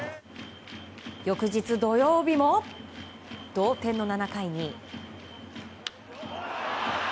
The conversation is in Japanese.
翌日、土曜日も同点の７回に。